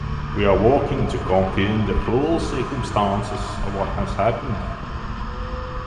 We are working to confirm the full circumstances of what has happened.